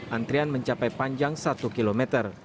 antrian mencapai panjang satu km